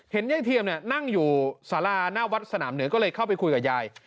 ยายเทียมนั่งอยู่สาราหน้าวัดสนามเหนือก็เลยเข้าไปคุยกับยาย